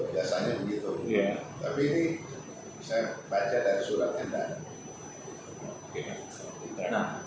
tapi ini saya baca dari suratnya